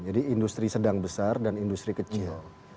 jadi industri sedang besar dan industri kecil